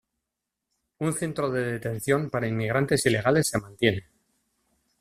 Un centro de detención para inmigrantes ilegales se mantiene.